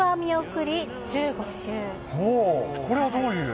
これはどういう？